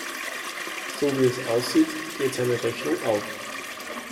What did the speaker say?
So wie es aussieht, geht seine Rechnung auf.